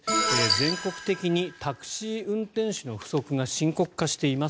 全国的にタクシー運転手の不足が深刻化しています。